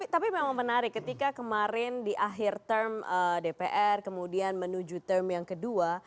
tapi memang menarik ketika kemarin di akhir term dpr kemudian menuju term yang kedua